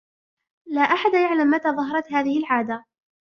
لا أحد يعلم متى ظهرت هذه العادة.